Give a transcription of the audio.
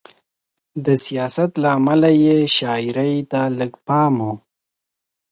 د سیاست له امله یې شاعرۍ ته لږ پام و.